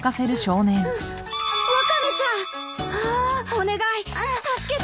お願い助けて！